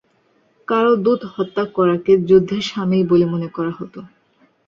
কারো দূত হত্যা করাকে যুদ্ধের শামিল বলে মনে করা হত।